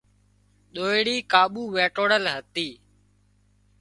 ۮوئيڙي ڪاٻو وينٽوۯل هتي